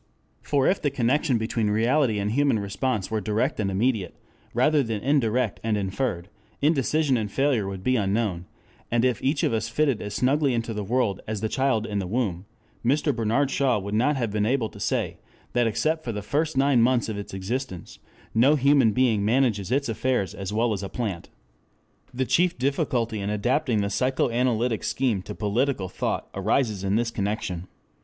For if the connection between reality and human response were direct and immediate, rather than indirect and inferred, indecision and failure would be unknown, and (if each of us fitted as snugly into the world as the child in the womb), Mr. Bernard Shaw would not have been able to say that except for the first nine months of its existence no human being manages its affairs as well as a plant. The chief difficulty in adapting the psychoanalytic scheme to political thought arises in this connection.